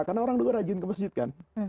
karena orang dulu rajin ke masjid kan